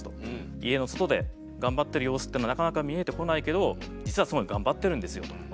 「家の外で頑張っている様子というのはなかなか見えてこないけど実はすごい頑張ってるんですよ」と。